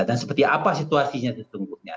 dan seperti apa situasinya itu sebetulnya